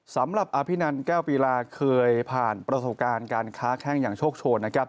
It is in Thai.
สำหรับอภินันแก้วปีลาเคยผ่านประสบการณ์การค้าแข้งอย่างโชคโชนนะครับ